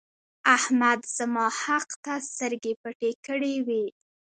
احمد زما حق ته سترګې پټې کړې وې.